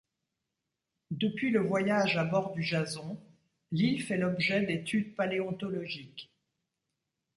Depuis le voyage à bord du Jason, l'île fait l'objet d'études paléontologiques.